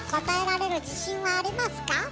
答えられる自信はありますか？